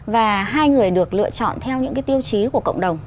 và hai người được lựa chọn theo những cái tiêu chí của cộng đồng